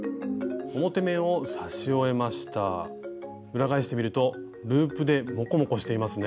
裏返してみるとループでモコモコしていますね。